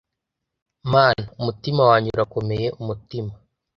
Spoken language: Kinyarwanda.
Mana umutima wanjye urakomeye umutima